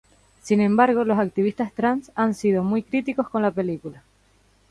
Sin embargo, los activistas trans han sido muy críticos con la película.